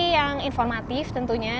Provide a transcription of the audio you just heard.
yang informatif tentunya